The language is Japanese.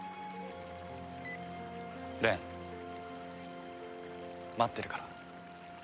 蓮待ってるから。